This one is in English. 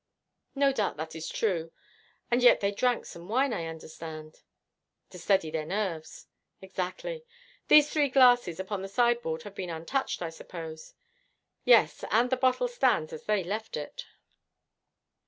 'No doubt that is true, and yet they drank some wine, I understand.' To steady their nerves.' 'Exactly. These three glasses upon the sideboard have been untouched, I suppose?' 'Yes, and the bottle stands as they left it.'